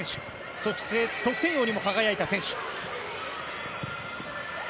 そして得点王にも輝いた選手。